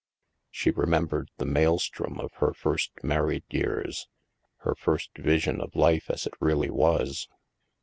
She remembered the maelstrom of her first mar ried years, her first vision of life as it really was.